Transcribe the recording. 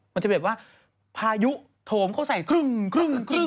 มันจะเป็นแบบว่าพายุโถมเขาใส่ครึ่งครึ่งครึ่ง